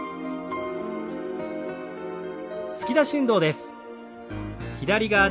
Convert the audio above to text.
突き出し運動です。